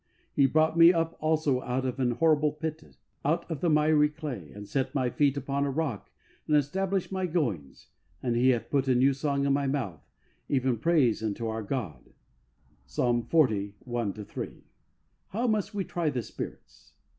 He brought me up also out of an horrible pit, out of the miry clay, and set iny feet upon a rock, and established my goings; and He hath put a new song in my mouth, even praise unto our God" {Psalm xl. 1 3). How must we try the spirits